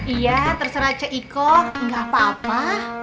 iya terserah ce ikoh gak apa apa